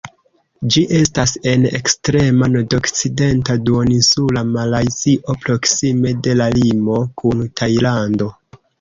Ĝi estas en ekstrema nordokcidenta Duoninsula Malajzio, proksime de la limo kun Tajlando.